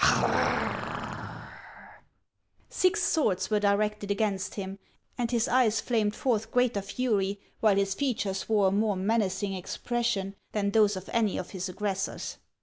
Six swords were directed against him, and his eyes flamed forth greater fury, while his features wore a more menacing expression than those of any of his aggressors.